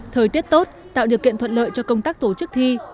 thời tiết tốt tạo điều kiện thuận lợi cho công tác tổ chức thi